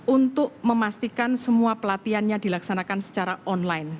untuk memastikan semua pelatihan yang dilaksanakan secara online